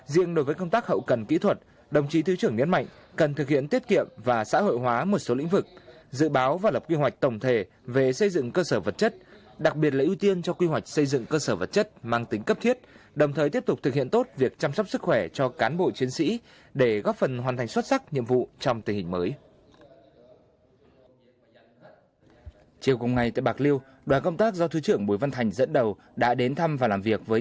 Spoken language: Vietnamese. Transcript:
riêng đối với công tác hậu cần kỹ thuật đồng chí thứ trưởng nhấn mạnh cần thực hiện tiết kiệm và xã hội hóa một số lĩnh vực dự báo và lập kế hoạch tổng thể về xây dựng cơ sở vật chất đặc biệt là ưu tiên cho kế hoạch xây dựng cơ sở vật chất mang tính cấp thiết đồng thời tiếp tục thực hiện tốt việc chăm sóc sức khỏe cho cán bộ chiến sĩ để góp phần hoàn thành xuất sắc nhiệm vụ trong tình hình mới